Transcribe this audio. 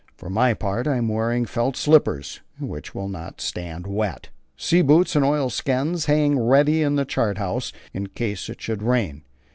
For my part I am wearing felt slippers, which will not stand wet. Sea boots and oilskins hang ready in the chart house, in case it should rain.